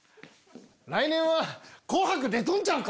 来年は『紅白』出とんちゃうか⁉